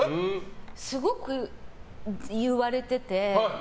すごく言われてて。